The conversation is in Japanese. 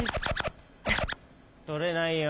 とれないよ。